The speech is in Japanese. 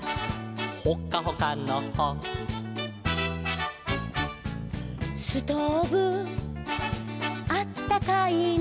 「ほっかほかのほ」「ストーブあったかいな」